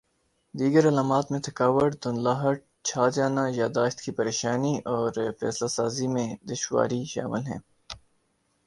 دیگر علامات میں تھکاوٹ دھندلاہٹ چھا جانا یادداشت کی پریشانی اور فیصلہ سازی میں دشواری شامل ہیں